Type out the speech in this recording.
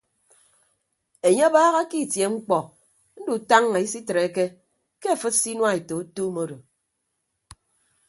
Enye abaaha ke itie mkpọ ndutañña isitreke ke afịd se inuaeto aketuum odo.